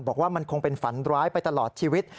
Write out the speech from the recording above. บอกว่ามันคงเป็นฝันร้ายไปตลอดชีวิต